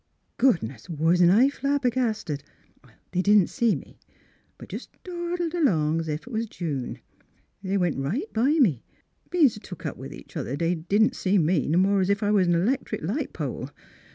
" Goodness ! Wasn't I flabbergasted. They didn't see me; but just dawdled along 's if it was June. They went right by me ; bein' s' took up with each other they didn't see me no more'n 's if I was a 'lectric light pole.